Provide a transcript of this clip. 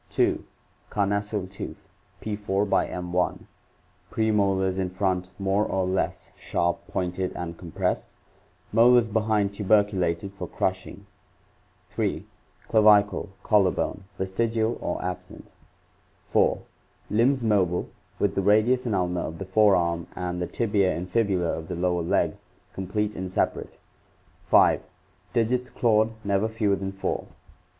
2. Carnassial tooth =~, premolars in front more or less sharp pointed and compressed; molars behind tuberculated for crushing. 3. Clavicle (collar bone) vestigial or absent. 4. Limbs mobile, with the radius and ulna of the fore arm and the tibia and fibula of the lower leg complete and separate, 5. Digits clawed, never fewer than four.